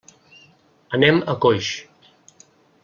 Anem a Coix.